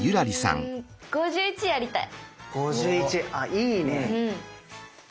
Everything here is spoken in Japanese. いいね。